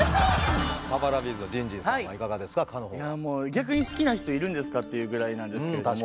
「逆に好きな人いるんですか？」っていうぐらいなんですけれども。